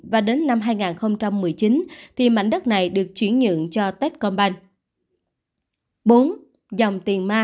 và đến năm hai nghìn một mươi chín thì mảnh đất này được chuyển nhượng cho tết công ban